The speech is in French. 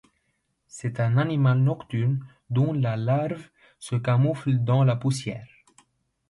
C'est un animal nocturne dont la larve se camoufle dans la poussière.